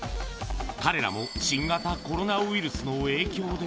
彼らも新型コロナウイルスの影響で。